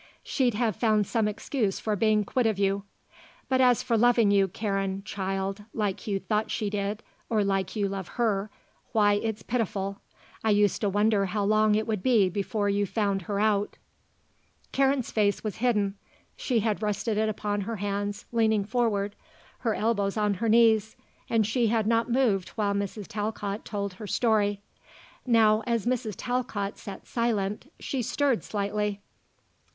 She'd have found some excuse for being quit of you. But as for loving you, Karen child, like you thought she did, or like you love her, why it's pitiful. I used to wonder how long it would be before you found her out." Karen's face was hidden; she had rested it upon her hands, leaning forward, her elbows on her knees, and she had not moved while Mrs. Talcott told her story. Now, as Mrs. Talcott sat silent, she stirred slightly.